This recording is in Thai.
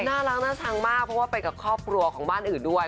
น่ารักน่าชังมากเพราะว่าไปกับครอบครัวของบ้านอื่นด้วย